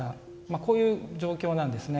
こういう状況なんですね。